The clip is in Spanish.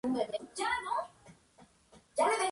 Tras la Reconquista, fue anexionada a la Corona de Aragón.